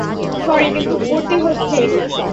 Sorry কিন্তু করতে হচ্ছে।